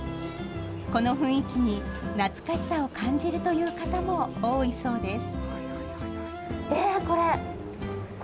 この雰囲気に懐かしさを感じるという方も多いそうです。